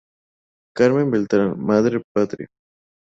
Carmen Beltrán: Madre Patria.